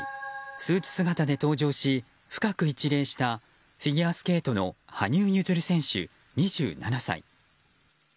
スーツ姿で登場し深く一礼したフィギュアスケートの羽生結弦選手、２７歳。